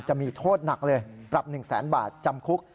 จะมีโทษหนักเลยปรับ๑แสนบาทจำคุก